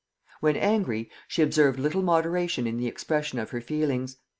When angry, she observed little moderation in the expression of her feelings.